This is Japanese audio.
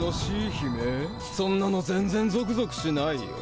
そんなの全ぜんゾクゾクしないよ。